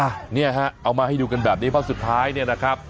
อ่ะเนี่ยฮะเอามาให้ดูกันแบบนี้เพราะสุดท้ายเนี่ยนะครับ